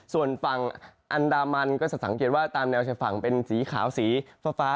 ส่วนฝั่งอันดามันก็จะสังเกตว่าตามแนวชายฝั่งเป็นสีขาวสีฟ้า